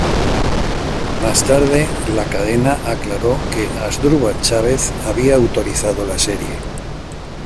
Más tarde la cadena aclaró que Asdrúbal Chávez había autorizado la serie.